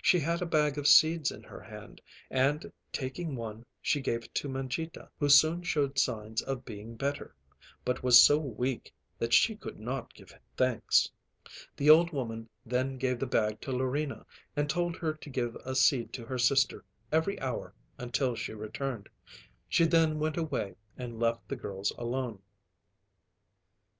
She had a bag of seeds in her hand, and taking one she gave it to Mangita, who soon showed signs of being better, but was so weak that she could not give thanks. The old woman then gave the bag to Larina and told her to give a seed to her sister every hour until she returned. She then went away and left the girls alone.